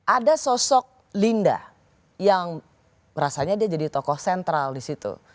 ada sosok linda yang rasanya dia jadi tokoh sentral disitu